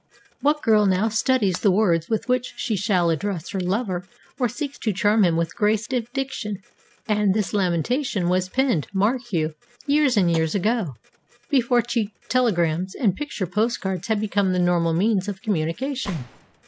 What girl now studies the words with which she shall address her lover, or seeks to charm him with grace of diction?' And this lamentation was penned, mark you, years and years ago, before cheap telegrams and picture post cards had become the normal means of communication!